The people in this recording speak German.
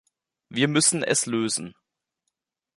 Wir müssen es lösen.